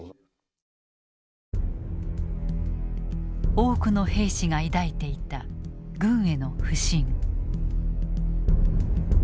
多くの兵士が抱いていた軍への不信。